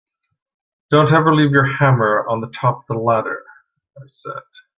Don’t ever leave your hammer on the top of the ladder, I said.